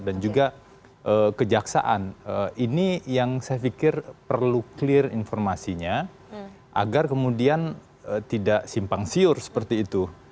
dan juga kejaksaan ini yang saya pikir perlu clear informasinya agar kemudian tidak simpang siur seperti itu